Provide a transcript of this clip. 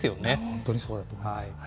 本当にそうだと思います。